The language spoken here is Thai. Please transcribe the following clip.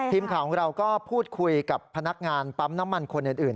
ทีมข่าวของเราก็พูดคุยกับพนักงานปั๊มน้ำมันคนอื่น